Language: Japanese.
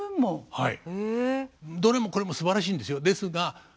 はい。